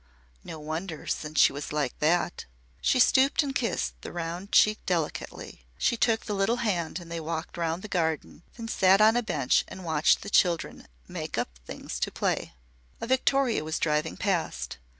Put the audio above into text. No wonder, since she was like that. She stooped and kissed the round cheek delicately. She took the little hand and they walked round the garden, then sat on a bench and watched the children "make up" things to play. A victoria was driving past.